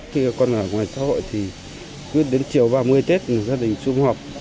khi con ở ngoài xã hội thì đến chiều ba mươi tết gia đình xung họp